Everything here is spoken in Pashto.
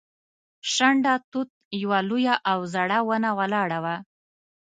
شنډه توت یوه لویه او زړه ونه ولاړه وه.